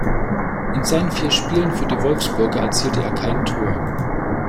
In seinen vier Spielen für die Wolfsburger erzielte er kein Tor.